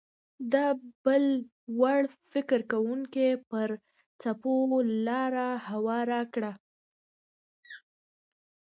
دا بل وړ فکر کوونکو ځپلو لاره هواره کړه